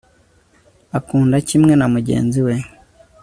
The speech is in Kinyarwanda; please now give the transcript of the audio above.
Akunda kimwe na mugenzi we